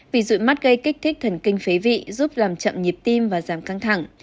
vì dụng mắt gây kích thích thần kinh phế vị giúp làm chậm nhịp tim và giảm căng thẳng